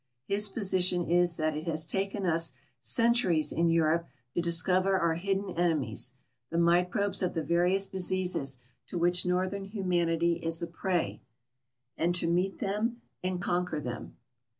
His posi tion is that it has taken us centuries in Europe to discover our hidden enemies, the microbes of the various diseases to which northern humanity is a prey, and to meet them and conquer them.